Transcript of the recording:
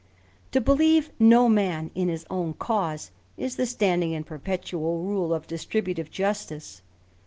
To beheve no man in his own cause, is the standing and perpetual rule of distributive justice.